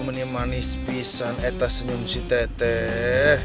menimani pisang etas senyum si teteh